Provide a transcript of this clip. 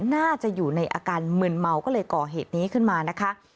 น่าจะอยู่ในอาการมึนเมาก็เลยก่อเหตุนี้ขึ้นมานะคะ